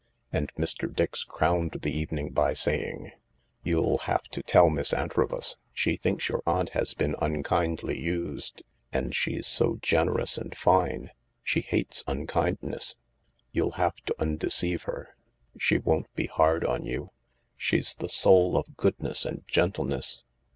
And Mr. Dix crowned the evening by saying, "You'll have to tell Miss Antrobus. She thinks your aunt has been unkindly used— and she's so generous and fine : she hates unkindness. You'll have to undeceive her. She won't be hard on you. She's the soul of goodness and gentleness.